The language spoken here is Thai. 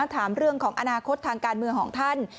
ถามเรื่องของอนาคตทางการเมืองของท่าน